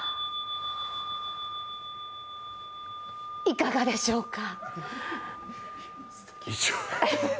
いかがでしょうか？